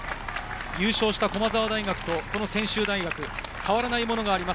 優勝した駒澤大学と専修大学、変わらないものがあります。